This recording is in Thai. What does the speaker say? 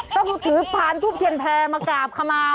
ต้องถือพานทูบเทียนแพรมากราบขมา